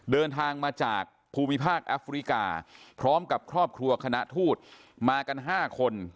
เดินทางมาจากภูมิภาคแอฟริกาพร้อมกับครอบครัวคณะทูตมากัน๕คน